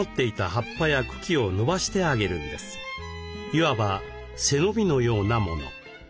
いわば背伸びのようなもの。